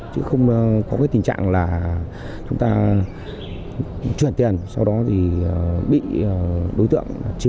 chứ không có cái tình trạng là chúng ta chuyển tiền sau đó thì bị đối tượng chiếm